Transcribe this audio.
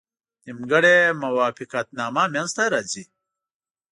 نیمګړې موافقتنامه منځته راځي.